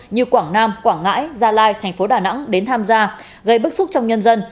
như quảng nam quảng ngãi gia lai thành phố đà nẵng đến tham gia gây bức xúc trong nhân dân